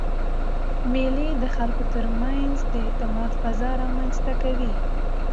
مېلې د خلکو ترمنځ د اعتماد فضا رامنځ ته کوي.